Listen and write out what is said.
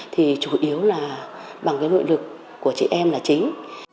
thì chủ yếu là bằng cái nội lực của chị em là chính